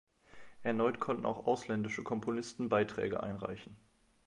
Erneut konnten auch ausländische Komponisten Beiträge einreichen.